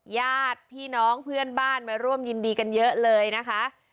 ญาติพี่น้องเพื่อนบ้านมาร่วมยินดีกันเยอะเลยนะคะ